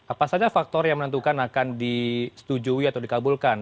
apa saja faktor yang menentukan akan disetujui atau dikabulkan